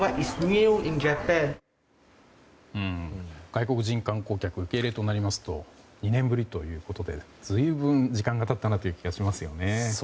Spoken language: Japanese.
外国人観光客受け入れとなりますと２年ぶりということで随分時間が経ったなという気がしますよね。